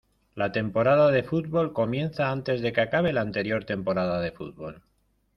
La temporada de fútbol comienza antes de que acabe la anterior temporada de fútbol.